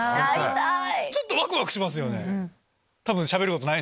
ちょっとワクワクしますよね。